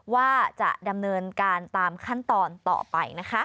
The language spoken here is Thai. ว่าจะดำเนินการตามขั้นตอนต่อไปนะคะ